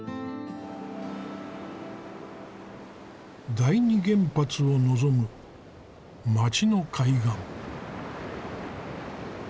第二原発をのぞむ町の海岸。